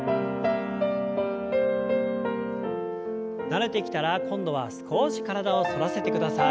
慣れてきたら今度は少し体を反らせてください。